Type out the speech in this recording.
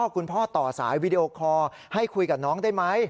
ต่อสายวีดีโอคอร์ให้คุยกับน้องได้ไหม